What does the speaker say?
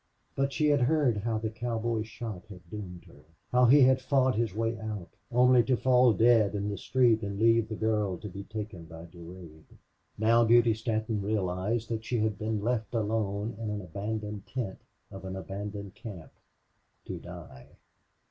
But she had heard how the cowboy's shot had doomed her how he had fought his way out, only to fall dead in the street and leave the girl to be taken by Durade. Now Beauty Stanton realized that she had been left alone in an abandoned tent of an abandoned camp to die.